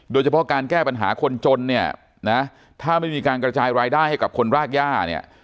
โดยเฉพาะการแก้ปัญหาคนจนเนี่ยนะถ้าไม่มีการกระจายรายได้ให้กับคนรากย่าเนี่ย